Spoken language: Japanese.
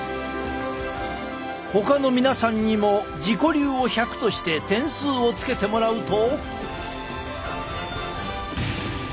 ほかの皆さんにも自己流を１００として点数をつけてもらうと。